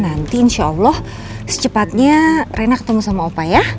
nanti insya allah secepatnya rena ketemu sama opa ya